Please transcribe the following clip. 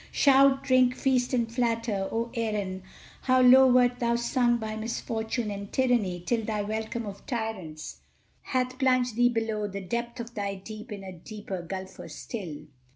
Shout, drink, feast, and flatter! O Erin, how low Wert thou sunk by misfortune and tyranny, till Thy welcome of tyrants hath plunged thee below The depth of thy deep in a deeper gulf still!